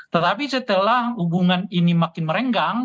tetapi setelah hubungan ini makin merenggang